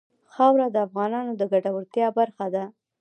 خاوره د افغانانو د ګټورتیا برخه ده.